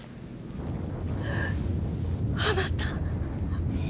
あなた。